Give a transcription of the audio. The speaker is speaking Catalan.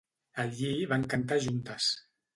Allí van cantar juntes.